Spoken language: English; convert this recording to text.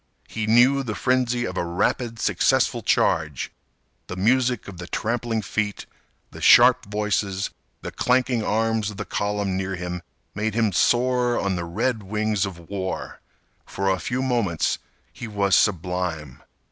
He knew the frenzy of a rapid successful charge. The music of the trampling feet, the sharp voices, the clanking arms of the column near him made him soar on the red wings of war. For a few moments he was sublime.